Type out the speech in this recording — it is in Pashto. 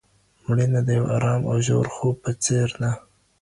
مړینه د یو ارام او ژور خوب په څیر ده.